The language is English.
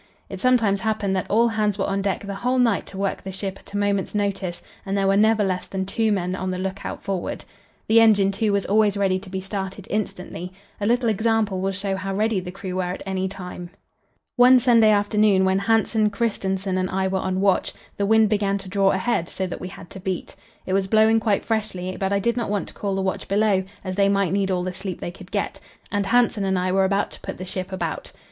It sometimes happened that all hands were on deck the whole night to work the ship at a moment's notice, and there were never less than two men on the lookout forward. The engine, too, was always ready to be started instantly. A little example will show how ready the crew were at any time. One Sunday afternoon, when Hansen, Kristensen and I were on watch, the wind began to draw ahead, so that we had to beat. It was blowing quite freshly, but I did not want to call the watch below, as they might need all the sleep they could get, and Hansen and I were to put the ship about.